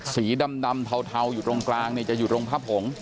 สีดำเทาอยู่ตรงกลางจะอยู่ตรงพระโขง